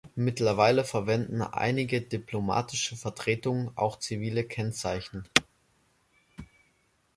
Mittlerweile verwenden einige diplomatische Vertretungen auch zivile Kennzeichen.